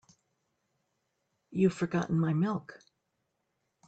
You've forgotten my milk.